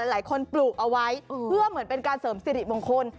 ปลูกเอาไว้เพื่อเหมือนเป็นการเสริมสิริมงคล